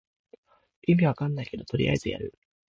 意味わかんないけどとりあえずやる